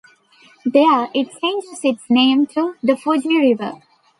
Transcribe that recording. There it changes its name to the Fuji River.